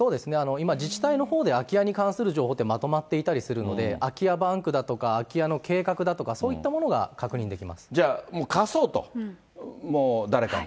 今、自治体のほうで空き家に関する情報ってまとまっていたりするので、空き家バンクだとか、空き家の計画だとかじゃあ、貸そうと、もう誰かに。